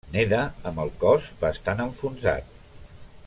Neda amb el cos bastant enfonsat.